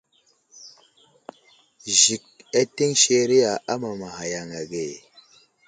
Zik ateŋ seriya amamaghay yaŋ age.